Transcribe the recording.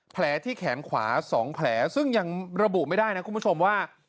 แผลที่แขนขวา๒แผลซึ่งยังระบุไม่ได้นะคุณผู้ชมว่า